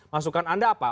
masukan anda apa